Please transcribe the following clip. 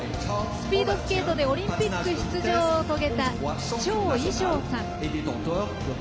スピードスケートでオリンピック出場を遂げた趙偉昌さん。